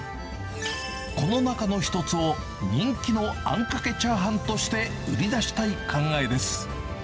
この中の１つを人気のあんかけチャーハンとして売り出したい考えです。